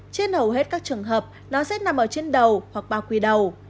trên hầu hết các trường hợp nó sẽ nằm ở trên đầu hoặc bao quy đầu